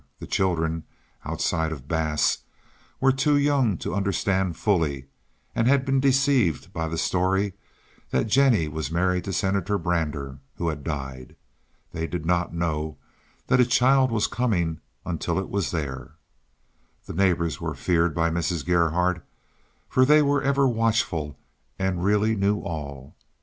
The children, outside of Bass, were too young to understand fully, and had been deceived by the story that Jennie was married to Senator Brander, who had died. They did not know that a child was coming until it was there. The neighbors were feared by Mrs. Gerhardt, for they were ever watchful and really knew all.